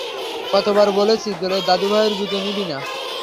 কতবার বলেছি দাদুভাইয়ের জুতো নিবি না?